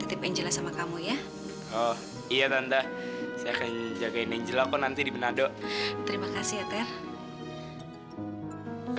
tante aku kebelakang